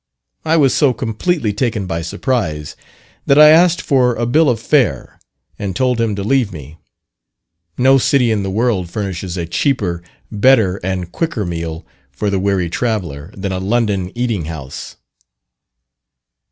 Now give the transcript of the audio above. I was so completely taken by surprise, that I asked for a "bill of fare," and told him to leave me. No city in the world furnishes a cheaper, better, and quicker meal for the weary traveller, than a London eating house.